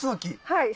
はい。